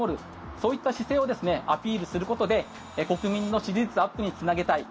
そういった姿勢をアピールすることで国民の支持率アップにつなげたい。